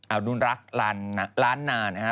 อนุรักษ์ล้านนานะฮะ